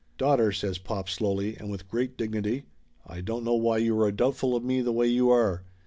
"Daughter," says pop slowly and with great dignity, "I don't know why you are doubtful of me the way you are